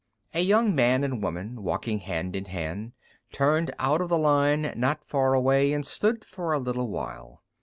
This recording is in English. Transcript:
A young man and woman, walking hand in hand, turned out of the line not far away and stood for a little while.